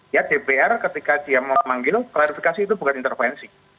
ya dpr ketika dia memanggil klarifikasi itu bukan intervensi